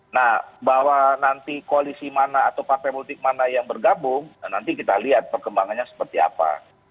nah bahwa nanti koalisi mana atau partai politik mana yang bergabung nanti kita lihat perkembangannya seperti apa